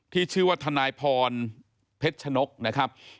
ที่ชื่อว่าทนายพรเพชรชนกนะครับ